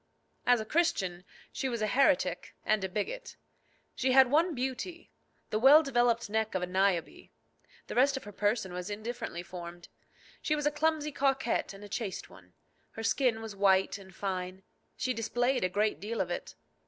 As a Christian she was a heretic and a bigot. She had one beauty the well developed neck of a Niobe. The rest of her person was indifferently formed. She was a clumsy coquette and a chaste one. Her skin was white and fine; she displayed a great deal of it.